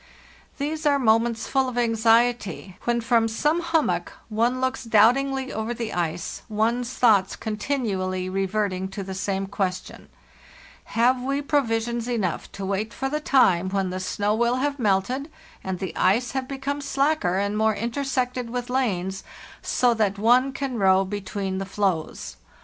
"These are moments full of anxiety, when from some hummock one looks doubtingly over the ice, one's thoughts continually reverting to the same question: have we provisions enough to wait for the time when the snow will have melted and the ice have become slacker and more intersected with lanes, so that one can row be tween the floes?